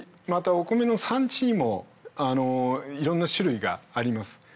またお米の産地にもいろんな種類があります。